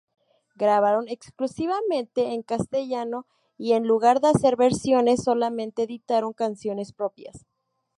Grabaron exclusivamente en castellano y, en lugar de hacer versiones, solamente editaron canciones propias.